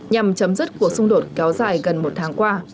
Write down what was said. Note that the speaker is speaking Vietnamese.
nhằm chấm dứt cuộc xung đột kéo dài gần một tháng qua